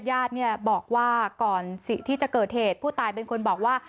ญาติเนี่ยบอกว่าก่อนที่จะเกิดเหตุผู้ตายเป็นคนบอกว่า